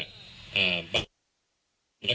ตรงนั้นต้องกลับเรียนว่า